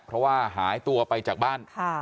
เพราะว่าหายตัวไปจากบ้าน